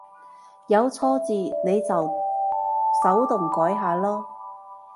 有錯字你就手動改下囉